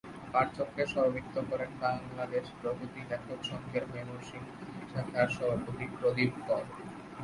পাঠচক্রে সভাপতিত্ব করেন বাংলাদেশ প্রগতি লেখক সংঘের ময়মনসিংহ শাখার সভাপতি প্রদীপ কর।